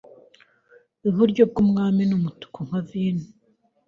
iburyo bwumwami umutuku nka vino